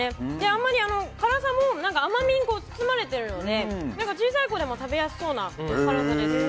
あまり、辛さも甘みに包まれているので小さい子でも食べやすそうな辛さです。